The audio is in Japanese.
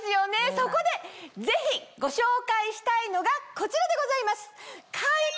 そこでぜひご紹介したいのがこちらでございます！